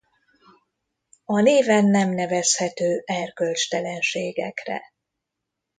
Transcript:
A néven nem nevezhető erkölcstelenségekre.